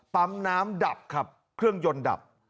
ปั๊มน้ำดับครับเครื่องยนต์ดับ